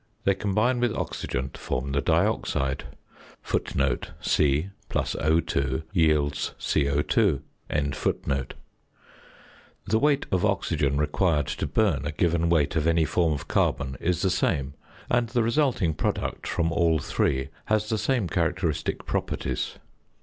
They combine with oxygen to form the dioxide. The weight of oxygen required to burn a given weight of any form of carbon is the same, and the resulting product from all three has the same characteristic properties.